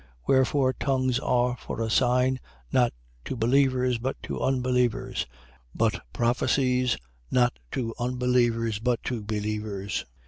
14:22. Wherefore tongues are for a sign, not to believers but to unbelievers: but prophecies, not to unbelievers but to believers.